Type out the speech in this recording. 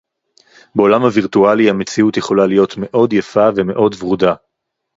בעולם הווירטואלי המציאות יכולה להיות מאוד יפה ומאוד ורודה